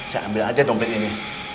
saya ambil aja dompet ini